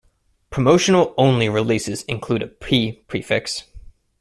Promotional-only releases include a "P" prefix.